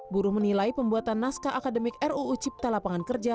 buruh menilai pembuatan naskah akademik ruu cipta lapangan kerja